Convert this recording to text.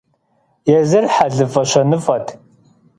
Езыр хьэлыфӀэ-щэныфӀэт.